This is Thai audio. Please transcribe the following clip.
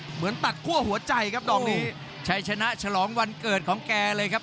เหมือนตัดคั่วหัวใจครับดอกนี้ชัยชนะฉลองวันเกิดของแกเลยครับ